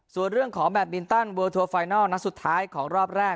ส่วนเรื่องของแบตมินตันเวอร์ทัวไฟนัลนัดสุดท้ายของรอบแรก